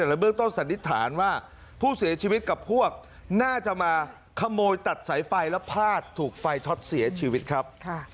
และเบื้องต้นสันนิษฐานว่าผู้เสียชีวิตกับพวกน่าจะมาขโมยตัดสายไฟแล้วพลาดถูกไฟช็อตเสียชีวิตครับ